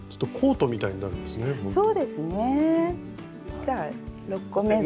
じゃあ６個目は。